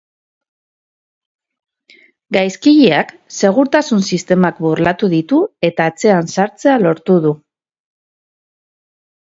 Gaizkileak segurtasun sistemak burlatu ditu eta etxean sartzea lortu du.